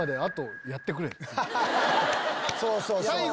そうそうそう！